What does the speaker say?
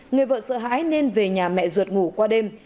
người vợ sợ hãi nên về nhà mẹ ruột ngủ qua đêm